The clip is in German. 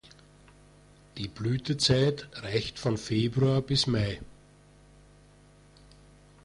Die Blütezeit reicht von Februar bis Mai.